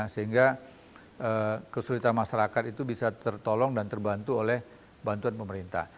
sehingga kesulitan masyarakat itu bisa tertolong dan terbantu oleh bantuan pemerintah